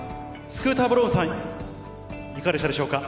スクーター・ブロウンさん、いかがでしたでしょうか？